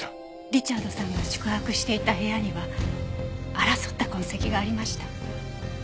リチャードさんが宿泊していた部屋には争った痕跡がありました。